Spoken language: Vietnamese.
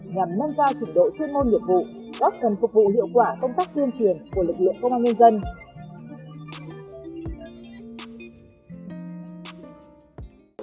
nhằm nâng cao trình độ chuyên môn nghiệp vụ góp phần phục vụ hiệu quả công tác tuyên truyền của lực lượng công an nhân dân